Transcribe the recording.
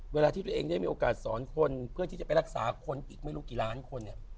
เวลาที่ตัวเองได้มีโอกาสสอนคนเพื่อที่จะไปรักษาคนอีกไม่รู้กี่ล้านคนเนี่ย